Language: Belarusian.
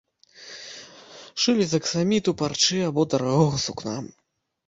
Шылі з аксаміту, парчы або дарагога сукна.